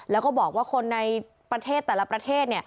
แล้วก็บอกว่าคนในประเทศแต่ละประเทศ